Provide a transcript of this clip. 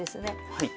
はい。